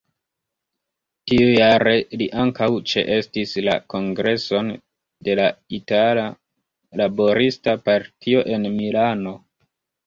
Tiujare li ankaŭ ĉeestis la kongreson de la Itala Laborista Partio en Milano.